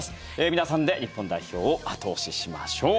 皆さんで日本代表を後押ししましょう。